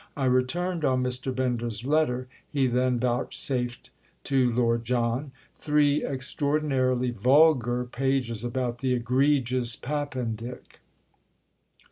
I returned on Mr. Bender's letter," he then vouchsafed to Lord John—"three extraordinarily vulgar pages about the egregious Pap pendick!"